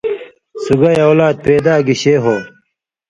سُگائ اولاد پیدا گِشے ہو ؟